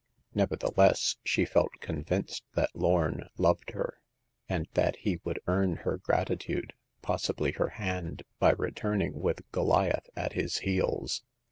Nevertheless, she felt convinced that Lorn loved her, and that he would earn her gratitude— pos sibly her hand— by returning with Goliath at his heels.